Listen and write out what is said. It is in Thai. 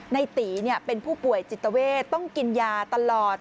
ในตีเป็นผู้ป่วยจิตเวทต้องกินยาตลอด